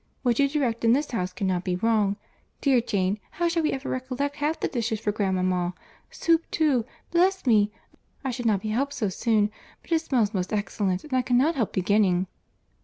What you direct in this house cannot be wrong. Dear Jane, how shall we ever recollect half the dishes for grandmama? Soup too! Bless me! I should not be helped so soon, but it smells most excellent, and I cannot help beginning."